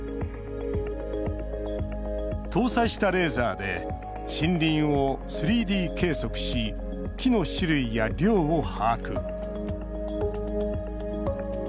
搭載したレーザーで森林を３Ｄ計測し木の種類や量を把握。